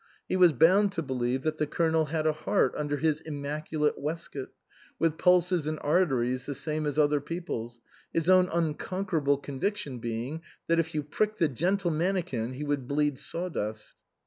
He was bound to believe that the Colonel had a heart under his immaculate waistcoat, with pulses and arteries the same as other people's, his own unconquerable conviction being that if you pricked the gentlemannikin he would bleed sawdust.